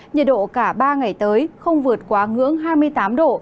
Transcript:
nhiệt độ cả ba ngày tới không vượt quá ngưỡng hai mươi tám độ